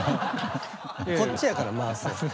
こっちやから回すの。